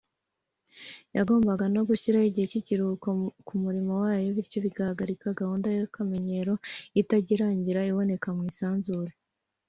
, yagombaga no gushyiraho igihe cy’ikiruhuko ku murimo Wayo, bityo igahagarika gahunda y’akamenyero itajya irangira iboneka mu isanzure